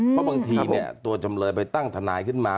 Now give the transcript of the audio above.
เพราะบางทีตัวจำเลยไปตั้งทนายขึ้นมา